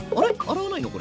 洗わないの？